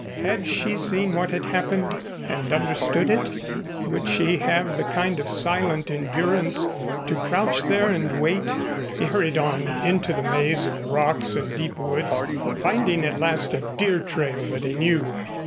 Had she seen what had happened and understood it? Would she have the kind of silent endurance to crouch there and wait? He hurried on into the maze of rocks and deep woods, finding at last a deer trail that he knew.